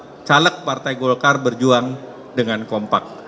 dan juga betapa caleg partai golkar berjuang dengan kompak